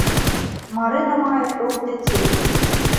Марына мае трох дзяцей.